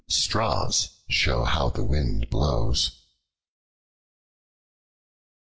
Straws show how the wind blows.